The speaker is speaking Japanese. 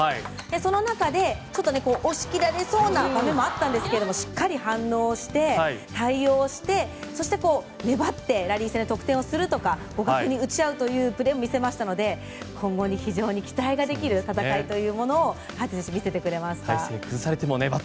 その中でちょっと押し切られそうな場面もあったんですがしっかり反応して対応してそして粘ってラリー戦をするとかお互いに打ち合うというプレーを見せましたので今後に非常に期待ができる戦いというものを見せてくれました。